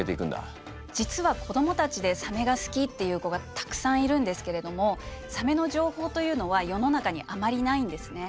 実は子どもたちでサメが好きっていう子がたくさんいるんですけれどもサメの情報というのは世の中にあまりないんですね。